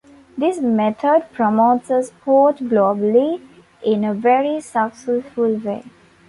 This method promotes a sport globally, in a very successful way.